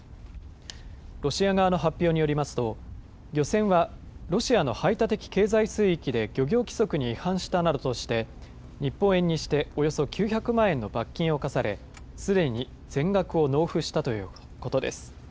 ロシア側の発表によりますと、漁船はロシアの排他的経済水域で漁業規則に違反したなどとして、日本円にしておよそ９００万円の罰金を課され、すでに全額を納付したということです。